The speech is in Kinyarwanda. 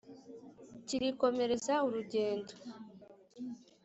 Kirikomereza urugendo